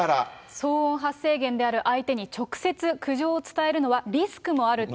騒音発生源である相手に直接苦情を伝えるのはリスクもあると。